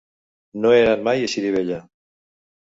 No he anat mai a Xirivella.